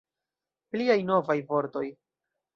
Pliaj novaj vortoj!